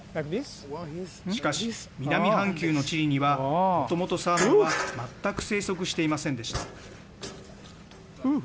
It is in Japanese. しかし、南半球のチリにはもともとサーモンは全く生息していませんでした。